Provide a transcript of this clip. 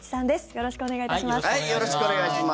よろしくお願いします。